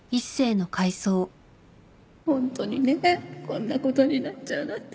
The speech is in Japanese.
本当にねこんな事になっちゃうなんて。